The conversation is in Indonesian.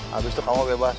habis itu kamu bebas